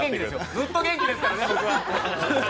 ずっと元気ですからね、僕は。